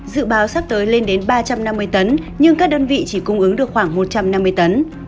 dự báo sắp tới lên đến ba trăm năm mươi tấn nhưng các đơn vị chỉ cung ứng được khoảng một trăm năm mươi tấn